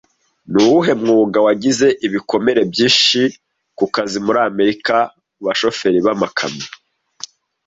Ni uwuhe mwuga wagize ibikomere byinshi ku kazi muri Amerika mu Abashoferi b'amakamyo